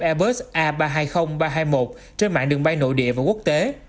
airbus a ba trăm hai mươi ba trăm hai mươi một trên mạng đường bay nội địa và quốc tế